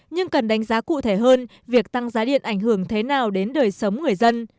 nhưng cần đánh giá cụ thể hơn việc tăng giá điện ảnh hưởng thế nào đến đời sống người dân